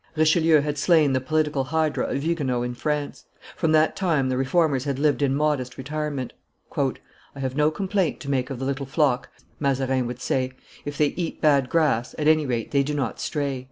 Richelieu had slain the political hydra of Huguenots in France; from that time the Reformers had lived in modest retirement. "I have no complaint to make of the little flock," Mazarin would say; "if they eat bad grass, at any rate they do not stray."